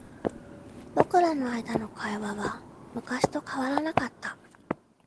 僕らの間の会話は昔と変わらなかった。